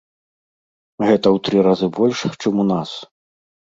Гэта ў тры разы больш, чым у нас.